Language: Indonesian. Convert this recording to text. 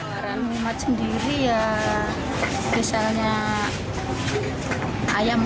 pembeli lebaran rumah sendiri ya misalnya ayam muas